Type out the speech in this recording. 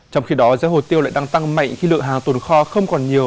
trong khi đó giá hồ tiêu lại đang tăng mạnh khi lượng hàng tồn kho không còn nhiều